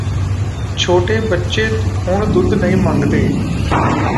ਛੋਟੇ ਬੱਚੇ ਹੁਣ ਦੁੱਧ ਨਹੀਂ ਮੰਗਦੇ